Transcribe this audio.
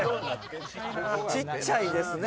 小っちゃいですね